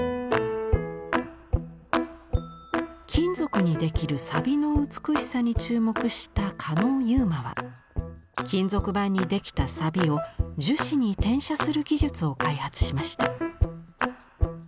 金属にできる錆の美しさに注目した狩野佑真は金属板にできた錆を樹脂に転写する技術を開発しました。